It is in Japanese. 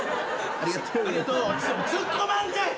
ツッコまんかい！